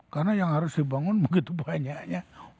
karena yang harus dibangun begitu banyaknya